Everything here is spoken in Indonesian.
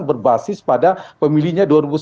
berbasis pada pemilihnya